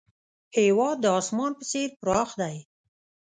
هېواد د اسمان په څېر پراخ دی.